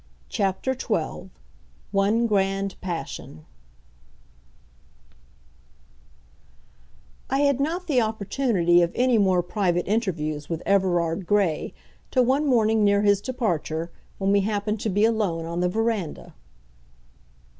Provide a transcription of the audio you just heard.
CHAPTER TWELVE One Grand Passion I had not the opportunity of any more private interviews with Everard Grey till one morning near his departure, when we happened to be alone on the veranda.